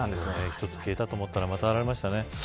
一つ消えたと思ったらまた現れましたね。